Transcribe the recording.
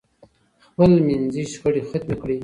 خپل منځي شخړې ختمې کړئ.